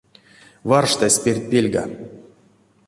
Варштась перть пельга.